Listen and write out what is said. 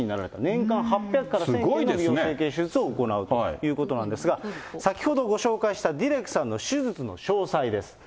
年間８００から１０００件の美容整形施術を行うということなんですが、先ほどご紹介したディレクさんの手術の詳細です。